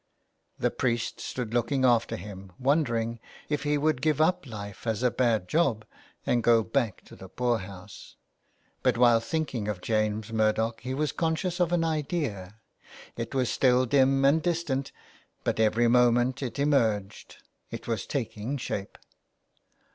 The priest stood looking after him, wondering if he would give up life as a bad job and go back to the poor house. But while thinking of James Murdoch, he was conscious of an idea ; it was still dim and distant, but every moment it emerged, it was taking shape.